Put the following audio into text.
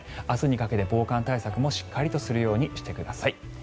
明日にかけて防寒対策もしっかりとするようにしてください。